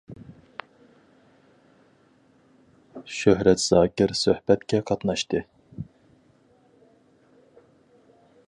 شۆھرەت زاكىر سۆھبەتكە قاتناشتى.